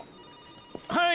はい！